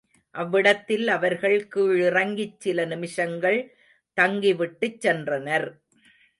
அவ்விடத்தில் அவர்கள் கீழிறங்கிச் சில நிமிஷங்கள் தங்கி விட்டுச் சென்றனர்.